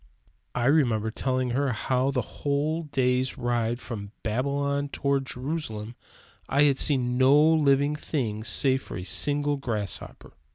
I remember telling her how that in a whole day's ride from Babylon toward Jerusalem I had seen no living thing save a single grasshopper!